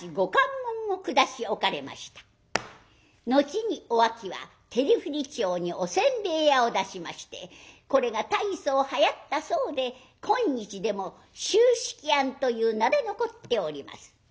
後にお秋は照降町におせんべい屋を出しましてこれが大層はやったそうで今日でも「秋色庵」という名で残っております。